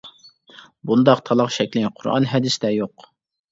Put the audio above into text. بۇنداق تالاق شەكلى قۇرئان، ھەدىستە يوق.